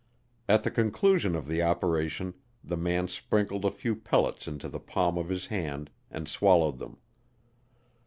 At the conclusion of the operation the man sprinkled a few pellets into the palm of his hand and swallowed them.